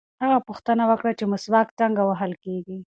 هغه پوښتنه وکړه چې مسواک څنګه وهل کېږي.